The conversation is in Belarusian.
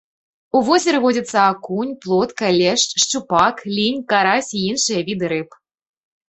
У возеры водзяцца акунь, плотка, лешч, шчупак, лінь, карась і іншыя віды рыб.